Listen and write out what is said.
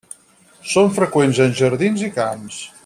Són freqüents en jardins i camps.